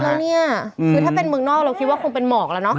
แล้วเนี่ยคือถ้าเป็นเมืองนอกเราคิดว่าคงเป็นหมอกแล้วเนาะ